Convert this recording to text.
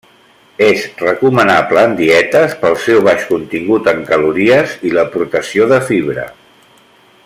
És recomanable en dietes pel seu baix contingut en calories i l'aportació de fibra.